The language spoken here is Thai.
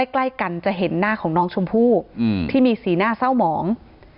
ใกล้กันจะเห็นหน้าของน้องชมพู่ที่มีสีหน้าเศร้าหมอง